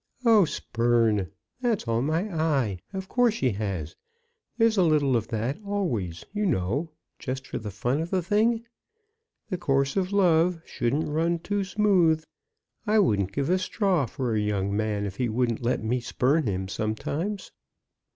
"Oh, spurn! that's all my eye. Of course she has. There's a little of that always, you know, just for the fun of the thing. The course of love shouldn't run too smooth. I wouldn't give a straw for a young man if he wouldn't let me spurn him sometimes."